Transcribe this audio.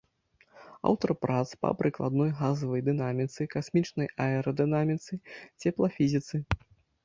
Аўтар прац па прыкладной газавай дынаміцы, касмічнай аэрадынаміцы, цеплафізіцы.